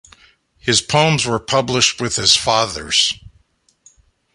His poems were published with his father's.